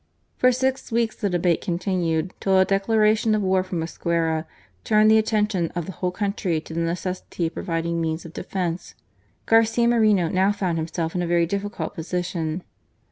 For six weeks the debate continued, till a declara tion of war from Mosquera turned the attention of the whole country to the necessity of providing means of defence. Garcia Moreno now found himself in a very difficult position.